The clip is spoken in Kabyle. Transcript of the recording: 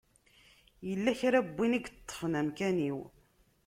Yella kra n yiwen i yeṭṭfen amkan-iw.